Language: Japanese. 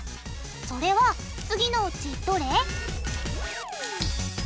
それは次のうちどれ？